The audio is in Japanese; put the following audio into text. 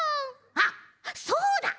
あっそうだ！